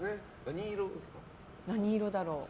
何色だろう。